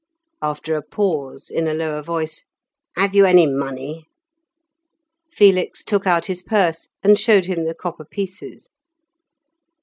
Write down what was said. After a pause, in a lower voice, "Have you any money?" Felix took out his purse and showed him the copper pieces.